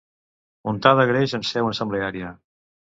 Untar de greix en seu assembleària.